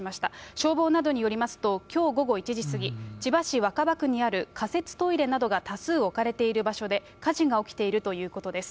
消防などによりますと、きょう午後１時過ぎ、千葉市若葉区にある仮設トイレなどが多数置かれている場所で、火事が起きているということです。